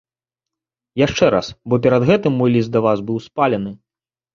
Яшчэ раз, бо перад гэтым мой ліст да вас быў спалены.